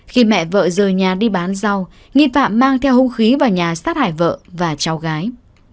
khi mẹ vợ rời nhà đi bán rau nghi phạm mang theo hung khí vào nhà sát hại vợ và cháu gái